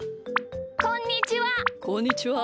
こんにちは。